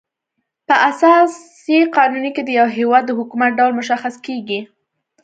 په اساسي قانون کي د یو هيواد د حکومت ډول مشخص کيږي.